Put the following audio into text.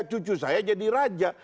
cucu saya jadi raja